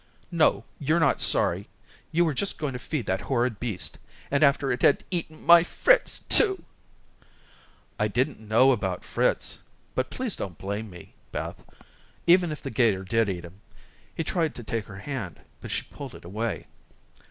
"No, you're not sorry. You were just going to feed that horrid beast, and after it had eaten my Fritz, too." "I didn't know about Fritz; but please don't blame me, Beth, even if the 'gator did eat him." He tried to take her hand, but she pulled it away.